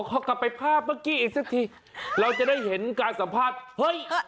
เขากลับไปภาพเมื่อกี้อีกสักทีเราจะได้เห็นการสัมภาษณ์เฮ้ย